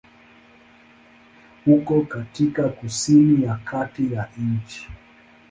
Uko katika kusini ya kati ya nchi.